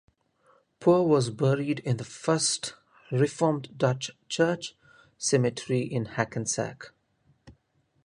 Poor was buried in the First Reformed Dutch Church Cemetery in Hackensack.